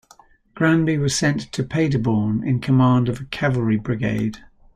Granby was sent to Paderborn in command of a cavalry brigade.